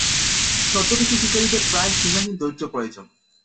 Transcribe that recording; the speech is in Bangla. ছদ্মবেশী শিকারীদের প্রায় সীমাহীন ধৈর্য প্রয়োজন।